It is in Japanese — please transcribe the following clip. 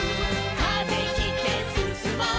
「風切ってすすもう」